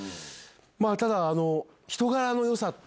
ただ。